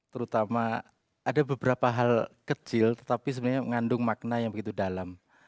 terutama ada beberapa hal kecil tetapi sebenarnya mengandung makna yang begitu dalam